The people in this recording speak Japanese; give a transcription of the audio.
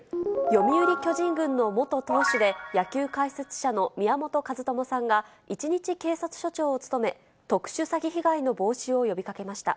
読売巨人軍の元投手で、野球解説者の宮本和知さんが、一日警察署長を務め、特殊詐欺被害の防止を呼びかけました。